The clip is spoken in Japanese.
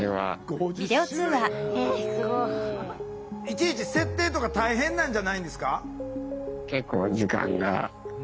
いちいち設定とか大変なんじゃないんですか？